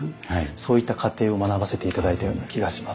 そういった過程を学ばせて頂いたような気がします。